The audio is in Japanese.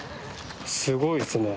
すごいですね。